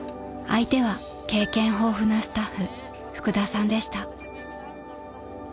［相手は経験豊富なスタッフ福田さんでした］